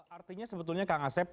artinya sebetulnya kak ngasep